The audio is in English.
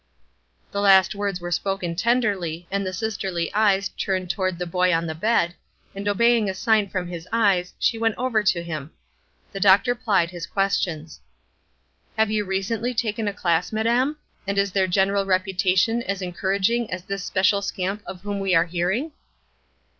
The last words were spoken tenderly, and the sisterly eyes turned toward the boy on the bed, and obeying a sign from his eyes she went over to him. The doctor plied his questions: "Have you recently taken a class, madam? and is their general reputation as encouraging as this special scamp of whom we are hearing?"